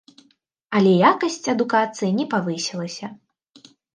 Але якасць адукацыі не павысілася.